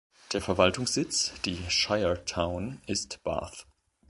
Der Verwaltungssitz, die Shire Town, ist Bath.